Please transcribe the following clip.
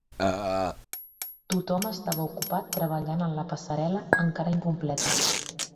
Tothom estava ocupat treballant en la passarel·la encara incompleta.